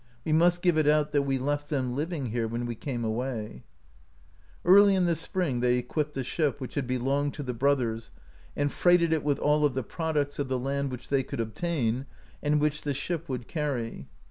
We must give it out that we left them living here when we came away/* Early in the spring they equipped the ship, which had belonged to the brothers and freighted it with all of tlie products of the land, which they could obtain, and which the ship would carry.